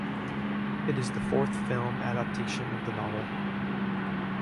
It is the fourth film adaptation of the novel.